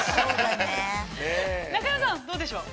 ◆中山さん、どうでしょう？